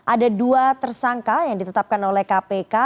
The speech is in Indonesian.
ada dua tersangka yang ditetapkan oleh kpk